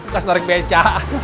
kas tarik beca